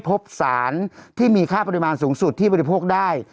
พบสารที่มีค่าปริมาณสูงสุดที่บริโภคได้